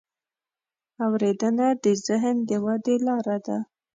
اورېدنه د ذهن د ودې لاره ده.